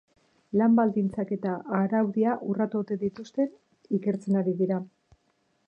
Lan baldintzak eta araudia urratu ote dituzten ikertzen ari dira.